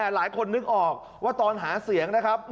หลายคนนึกออกว่าตอนหาเสียงนะครับ